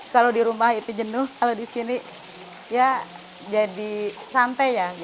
kalau di rumah itu jenuh kalau di sini ya jadi santai ya